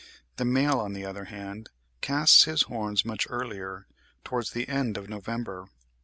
The male on the other hand casts his horns much earlier, towards the end of November.